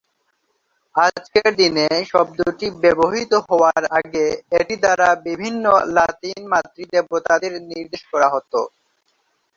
আজকের দিনে শব্দটি ব্যবহৃত হওয়ার আগে, এটি দ্বারা বিভিন্ন লাতিন মাতৃ দেবতাদের নির্দেশ করা হতো।